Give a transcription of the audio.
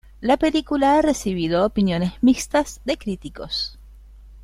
La película ha recibido opiniones mixtas de críticos.